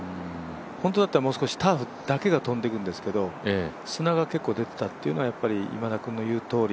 本当だったら、ターフだけが飛んでいくんですけど砂が結構出ていたというのは今田君の言うとおり